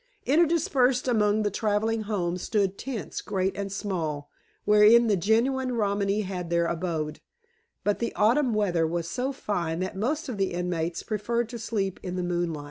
Interspersed among the travelling homes stood tents great and small, wherein the genuine Romany had their abode, but the autumn weather was so fine that most of the inmates preferred to sleep in the moonshine.